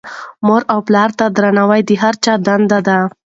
مور او پلار ته درناوی د هر چا دنده ده.